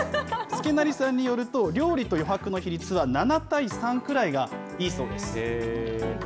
祐成さんによると、料理と余白の比率は７対３くらいがいいそうです。